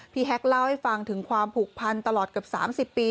แฮกเล่าให้ฟังถึงความผูกพันตลอดเกือบ๓๐ปี